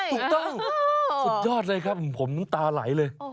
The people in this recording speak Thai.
ถูกต้องสุดยอดเลยครับผมน้ำตาไหลเลย